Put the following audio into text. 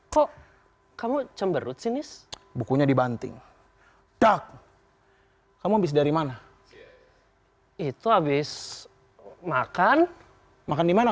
kok kamu cemberut sinis bukunya dibanting dak kamu bisa dari mana itu habis makan makan dimana